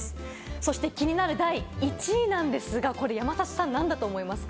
そして気になる第１位なんですが、山里さん、なんだと思いますか？